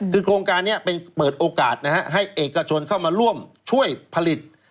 คือโครงการนี้เปิดโอกาสให้เอกกระชนเข้ามาร่วมช่วยผลิต